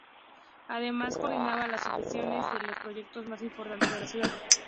Además, coordinaba las subvenciones de los proyectos más importantes de la ciudad.